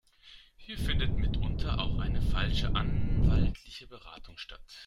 Hier findet mitunter auch eine falsche anwaltliche Beratung statt.